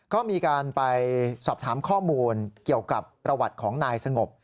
ก็มีการไปสอบถามข้อมูลเกี่ยวกับประวัติของนายสงบ